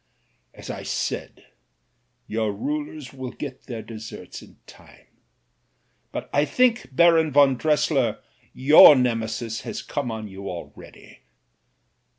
"As I said, your rulers will get their deserts in time, but I think, Baron von Dressier, your Nemesis has come on you already.